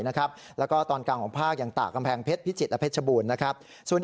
แล้วก็พากศ์ตอนกลางอย่างตากแขมแพงเพชรพิชิดและเพชรบุญ